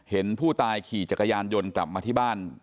เห็นผู้ตายขี่จักรยานยนต์กลับมาที่บ้าน